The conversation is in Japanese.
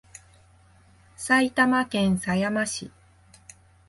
埼玉県狭山市